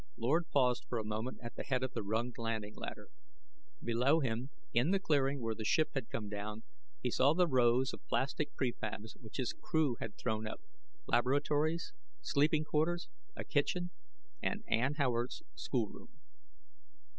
Lord paused for a moment at the head of the runged landing ladder. Below him, in the clearing where the ship had come down, he saw the rows of plastic prefabs which his crew had thrown up laboratories, sleeping quarters, a kitchen, and Ann Howard's schoolroom.